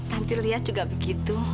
tanti lihat juga begitu